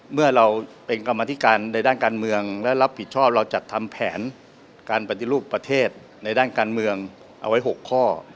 เมื่อเราเป็นกรรมธิการในด้านการเมืองและรับผิดชอบเราจัดทำแผนการปฏิรูปประเทศในด้านการเมืองเอาไว้๖ข้อ